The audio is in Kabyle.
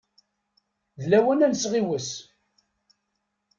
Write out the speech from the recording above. D lawan ad nesɣiwes.